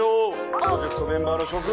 プロジェクトメンバーのしょ君。